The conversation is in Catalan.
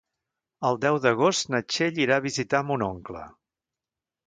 El deu d'agost na Txell irà a visitar mon oncle.